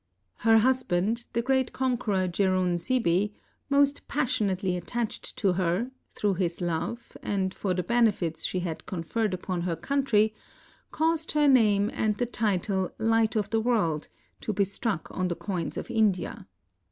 Her husband, the great con queror Jerunzebe, most passionately attached to her, through his love, and for the benefits she had conferred upon her country, caused her name and the title " Light of the World " to be struck on the coins of India.